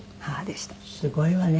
すごいわね。